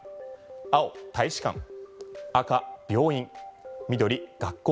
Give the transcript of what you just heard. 青、大使館赤、病院緑、学校。